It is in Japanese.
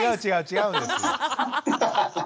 違うんですよ。